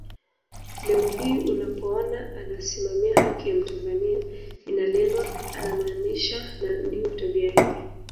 Leo hii unapoona anasimamia haki ya mtanzania inalindwa anamaanisha na ndio tabia yake